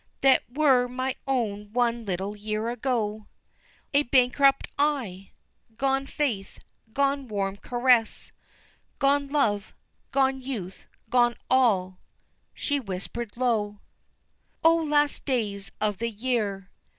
That were my own one little year ago, A bankrupt I gone faith, gone warm caress, Gone love, gone youth, gone all," She whispered low. "O last days of the year!